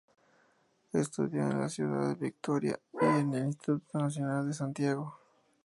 Estudió en la ciudad de Victoria, y en el Instituto Nacional de Santiago.